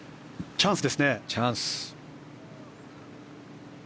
チャンス！